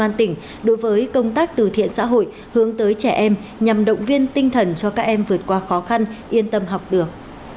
công an tỉnh đối với công tác từ thiện xã hội hướng tới trẻ em nhằm động viên tinh thần cho các em vượt qua khó khăn yên tâm học đường